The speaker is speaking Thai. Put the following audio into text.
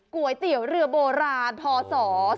ก๋วยเตี๋ยวเรือโบราณพศ๒๕๖